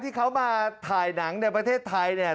ที่เขามาถ่ายหนังในประเทศไทยเนี่ย